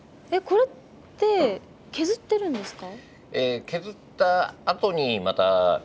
これって削ってるんですか？